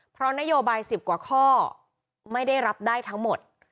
เพราะนโยบาย๑๐กว่าข้อไม่ได้รับได้ทั้งหมด